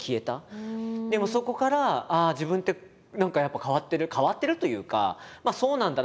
でもそこからああ自分って何かやっぱ変わってる変わってるというかまあそうなんだな